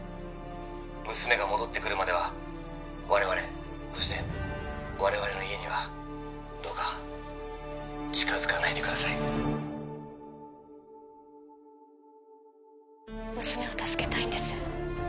娘が戻ってくるまでは我々そして我々の家にはどうか近づかないでください娘を助けたいんです